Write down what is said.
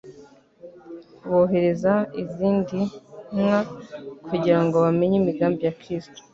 bohereza izindi ntumwa kugira ngo bamenye imigambi ya Kristo